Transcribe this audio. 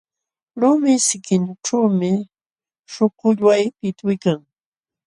Lumi sinkićhuumi śhukulluway pitwiykan.